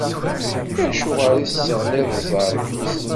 Acuɣer i tesseɣliḍ ẓẓerb-is.